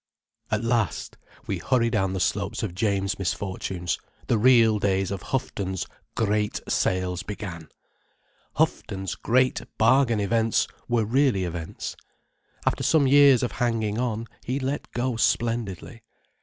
At last—we hurry down the slope of James' misfortunes—the real days of Houghton's Great Sales began. Houghton's Great Bargain Events were really events. After some years of hanging on, he let go splendidly.